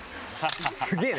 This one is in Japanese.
すげえな。